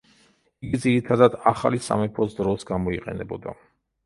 იგი ძირითადად ახალი სამეფოს დროს გამოიყენებოდა.